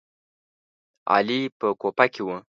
علي په کوفه کې و.